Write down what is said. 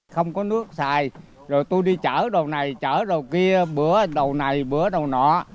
không có nước xài rồi tôi đi chở đồ này chở đồ kia bữa đồ này bữa đồ nọ